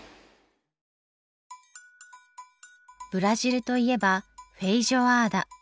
ブラジルといえばフェイジョアーダ。